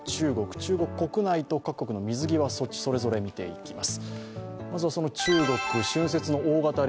中国国内と各国の水際措置それぞれ見ていきます。